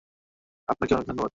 আপনাকে অনেক ধন্যবাদ।